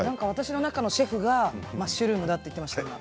私の中のシェフがマッシュルームと言っていました。